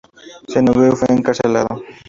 Se negó y fue encarcelado.